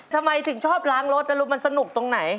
ทำไมถึงชอบล้างรถนะลูกมันสนุกตรงไหน